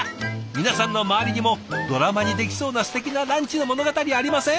皆さんの周りにもドラマにできそうなすてきなランチの物語ありません？